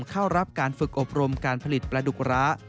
เข้ารับการฝึกอบรมการผลิตปลาดุกร้า